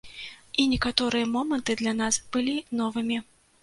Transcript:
І некаторыя моманты для нас былі новымі.